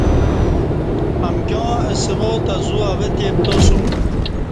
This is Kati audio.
امکیاں اہ سوا تہ ذو اوہ تی پتاسوم